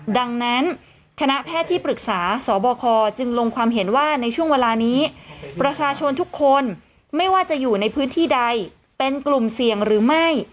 ดังนั้นคณะแพทย์ที่ปรึกษาสบคจึงลงความเห็นว่าในช่วงเวลานี้ประชาชนทุกคนไม่ว่าจะอยู่ในพื้นที่ใดเป็นกลุ่มเสี่ยงหรือไม่